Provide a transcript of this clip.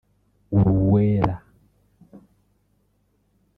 Uruwera